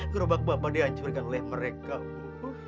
gerobak bapak dihancurkan oleh mereka bu